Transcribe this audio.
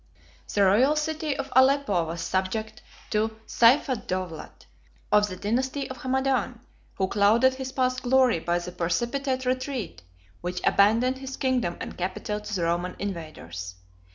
The royal city of Aleppo was subject to Seifeddowlat, of the dynasty of Hamadan, who clouded his past glory by the precipitate retreat which abandoned his kingdom and capital to the Roman invaders.